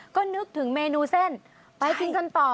ก็นึกถึงเมนูเส้นไปกินกันต่อ